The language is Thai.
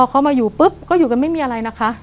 เขามาอยู่ปุ๊บก็อยู่กันไม่มีอะไรนะคะ